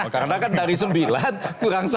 karena kan dari sembilan kurang satu